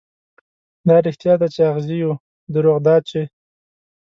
دا رښتيا ده، چې اغزي يو، دروغ دا چې